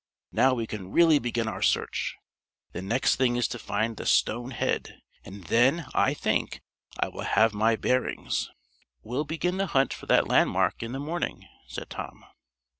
Now we can really begin our search. The next thing is to find the stone head, and then, I think, I will have my bearings." "We'll begin the hunt for that landmark in the morning," said Tom.